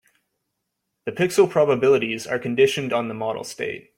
The pixel probabilities are conditioned on the model state.